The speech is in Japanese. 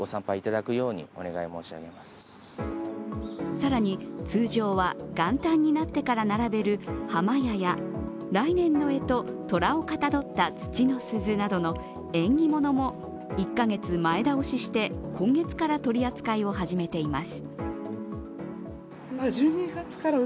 更に、通常は元旦になってから並べる破魔矢や、来年のえと・とらをかたどった土の鈴などの縁起物も１カ月、前倒しして今月から取り扱いを始めています。